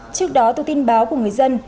trước đó từ tin báo của người dân